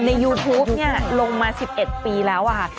ในยูทูปเนี่ยลงมา๑๑ปีแล้วอ่ะ